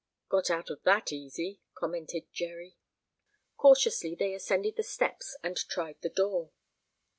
"Got out of that easy," commented Jerry. Cautiously they ascended the steps and tried the door.